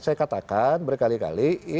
saya katakan berkali kali